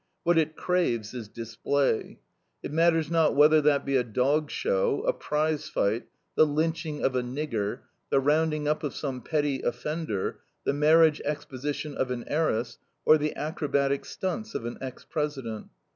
What it craves is display. It matters not whether that be a dog show, a prize fight, the lynching of a "nigger," the rounding up of some petty offender, the marriage exposition of an heiress, or the acrobatic stunts of an ex president.